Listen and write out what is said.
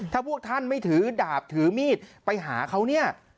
ถ้าพวกท่านไม่ถือดาบถือมีดไปหาเขาเนี่ย